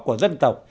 của dân tộc